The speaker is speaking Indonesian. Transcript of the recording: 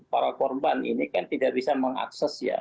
para korban ini kan tidak bisa mengakses ya